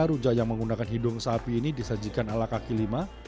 rujak yang menggunakan hidung sapi ini disajikan ala kaki lima